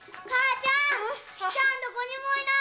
ちゃんどこにもいないよ！